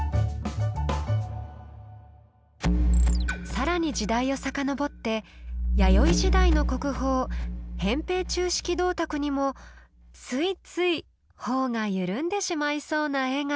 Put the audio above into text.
更に時代を遡って弥生時代の国宝「扁平鈕式銅鐸」にもついつい頬が緩んでしまいそうな絵が。